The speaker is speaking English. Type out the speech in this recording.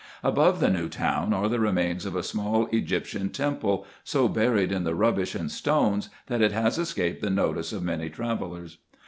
Above the New Town are the remains of a small Egyptian temple, so buried in the rubbish and stones, that it has escaped the notice of many travellers.